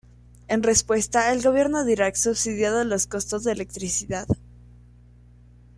En respuesta, el gobierno de Irak subsidiado los costos de electricidad.